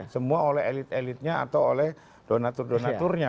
semua oleh elit elitnya atau oleh donatur donaturnya